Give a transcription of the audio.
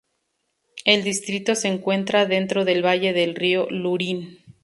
El distrito se encuentra dentro del valle del río Lurín.